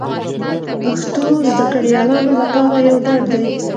پښتو زده کړیالانو لپاره یو ډاډ دی